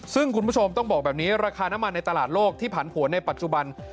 ซึ่งคุณผู้ชมต้องบอกแบบนี้ราคาน้ำมันในตลาดโลกที่ผันผวนในปัจจุบัน